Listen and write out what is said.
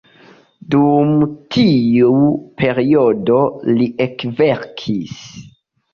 Dum tiu periodo, Li ekverkis.